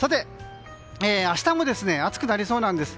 明日も暑くなりそうなんです。